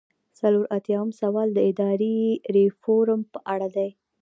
څلور ایاتیام سوال د اداري ریفورم په اړه دی.